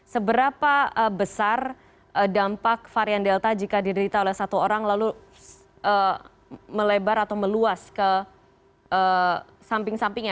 seberapa besar dampak varian delta jika diderita oleh satu orang lalu melebar atau meluas ke samping sampingnya